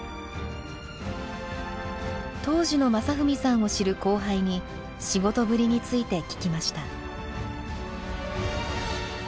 当時の雅文さんを知る後輩に仕事ぶりについて聞きました。